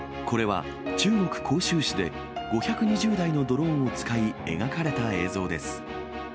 これは中国・広州市で、５２０台のドローンを使い、描かれた映像です。